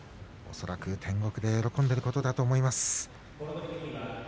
恐らく天国で喜んでいることだろうと思います。